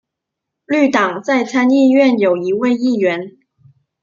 绿党在参议院有一位议员。